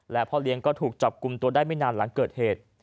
และพ่อเลี้ยงก็ถูกจับกลุ่มตัวได้ไม่นานหลังเกิดเหตุ